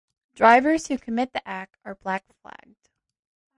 Drivers who commit the act are black-flagged.